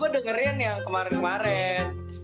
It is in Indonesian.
gue dengerin yang kemarin kemarin